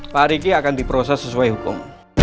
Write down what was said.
pak riki akan diproses sesuai hukum